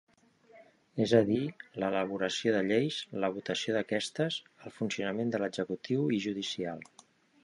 És a dir, l'elaboració de lleis, la votació d'aquestes, el funcionament de l'executiu i judicial.